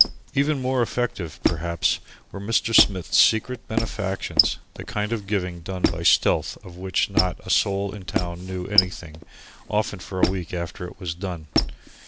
Even more effective, perhaps, were Mr. Smith's secret benefactions, the kind of giving done by stealth of which not a soul in town knew anything, often, for a week after it was done.